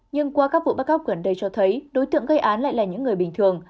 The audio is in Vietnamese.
nhưng qua các vụ bắt cóc gần đây cho thấy đối tượng gây án lại là những người bình thường